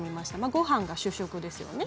ごはんが主食ですね。